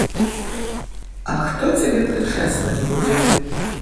А хто цябе прычэсваць будзе?